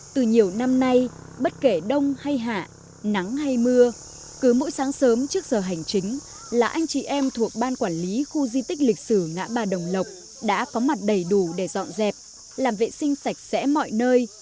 từ nhiều năm nay bất kể đông hay hạ nắng hay mưa cứ mỗi sáng sớm trước giờ hành chính là anh chị em thuộc ban quản lý khu di tích lịch sử ngã ba đồng lộc đã có mặt đầy đủ để dọn dẹp làm vệ sinh sạch sẽ mọi nơi